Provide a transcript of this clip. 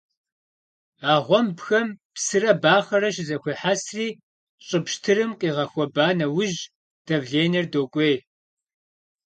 А гъуэмбхэм псырэ бахъэрэ щызэхуехьэсри, щӀы пщтырым къигъэхуэба нэужь, давленэр докӀуей.